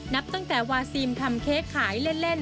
นับตั้งแต่วาซีมทำเค้กขายเล่น